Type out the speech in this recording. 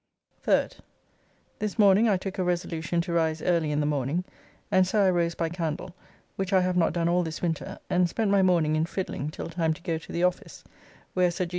3rd. This morning I took a resolution to rise early in the morning, and so I rose by candle, which I have not done all this winter, and spent my morning in fiddling till time to go to the office, where Sir G.